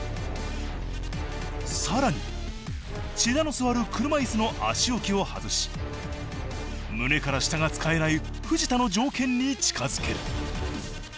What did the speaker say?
さらに千田の座る車いすの足置きを外し胸から下が使えない藤田の条件に近づける。